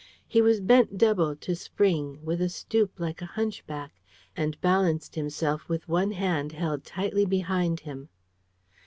He was bent double, to spring, with a stoop like a hunchback, and balanced himself with one hand held tightly behind him.